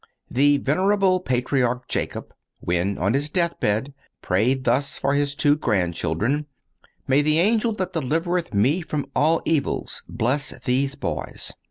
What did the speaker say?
The venerable Patriarch Jacob, when on his deathbed, prayed thus for his two grandchildren: "May the angel that delivereth me from all evils bless these boys!"